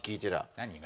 何が？